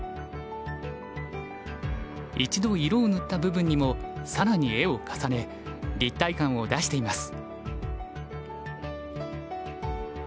一度色を塗った部分にも更に絵を重ね立体感を出しています。